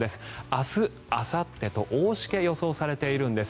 明日、あさってと大しけが予想されているんです。